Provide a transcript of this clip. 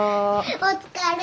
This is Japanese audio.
お疲れ。